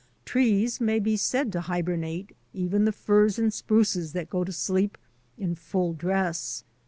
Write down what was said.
Trees may be said to hibernate, even the firs and spruces that go to sleep in full dress.